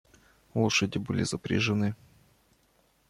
Лошади были запряжены.